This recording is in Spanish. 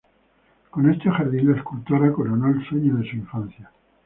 Con este jardín la escultora coronó el sueño de su infancia.